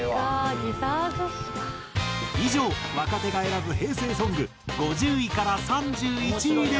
以上若手が選ぶ平成ソング５０位から３１位でした。